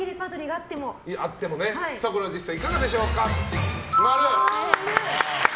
実際いかがでしょうか、○。